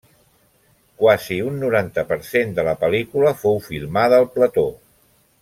Quasi un noranta per cent de la pel·lícula fou filmada al plató.